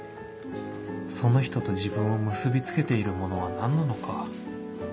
その人と自分を結び付けているものは何なのか